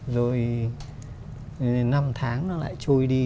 rồi năm tháng nó lại trôi đi